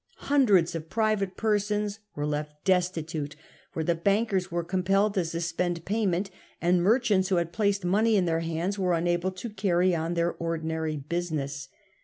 Hundreds of private persons were left destitute, for the bankers were compelled to suspend payment, and 198 Charles II, and tkelCa&al. 1672. merchants who had placed monef in their hands were unable to carry on their ordinary business.